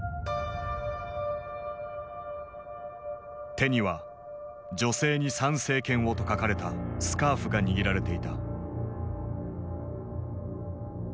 手には「女性に参政権を」と書かれたスカーフが握られていた。